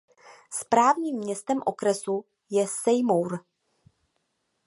Správním městem okresu je Seymour.